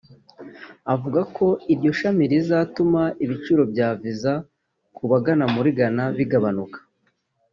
avuga ko iryo shami rizatuma ibiciro bya Visa ku bagana muri Ghana bigabanuka